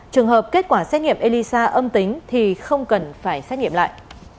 trường hợp kết quả xét nghiệm elisa âm tính thì không cần phải xét nghiệm lại